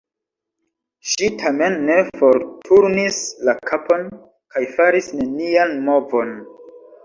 Ŝi tamen ne forturnis la kapon kaj faris nenian movon.